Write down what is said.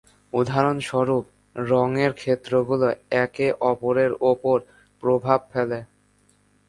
উদাহরণস্বরূপ, রঙের ক্ষেত্রগুলো একে অপরের ওপর প্রভাব ফেলে।